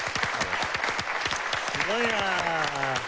すごいなあ。